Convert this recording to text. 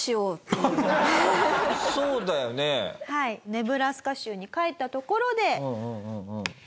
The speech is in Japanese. ネブラスカ州に帰ったところで。